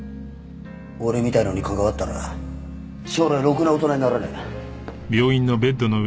俺みたいなのに関わったら将来ろくな大人にならねえ。